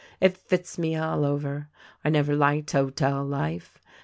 It fits me all over. I never liked hotel life.